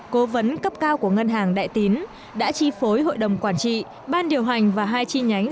cố vấn cấp cao của ngân hàng đại tín đã chi phối hội đồng quản trị ban điều hành và hai chi nhánh